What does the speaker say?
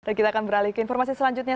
dan kita akan beralih ke informasi selanjutnya